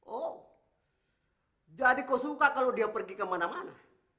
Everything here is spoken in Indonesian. oh jadi kau suka kalau dia pergi kemana mana